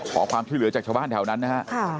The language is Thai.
ขอความช่วยเหลือจากชาวบ้านแถวนั้นนะฮะ